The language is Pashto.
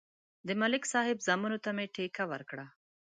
د ملک صاحب زامنو ته مې ټېکه ورکړه